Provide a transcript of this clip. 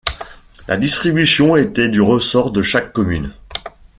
La distribution était du ressort de chaque commune.